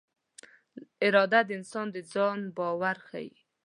اراده د انسان د ځان باور ښيي.